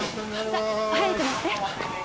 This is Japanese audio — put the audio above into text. さあ早く乗って。